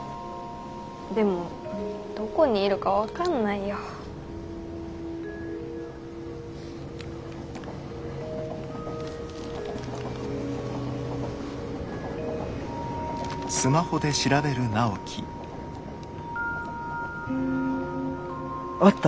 でもどこにいるか分かんないよ。あった！